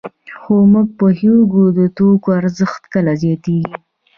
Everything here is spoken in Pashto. خو موږ پوهېږو د توکو ارزښت کله زیاتېږي